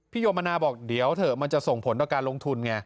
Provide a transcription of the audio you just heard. โยมนาบอกเดี๋ยวเถอะมันจะส่งผลต่อการลงทุนไง